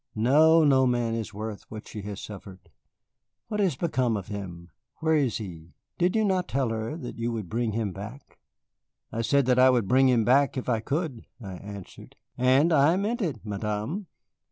No, no man is worth what she has suffered. What has become of him? Where is he? Did you not tell her that you would bring him back?" "I said that I would bring him back if I could," I answered, "and I meant it, Madame."